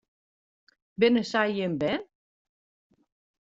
Binne sy jim bern?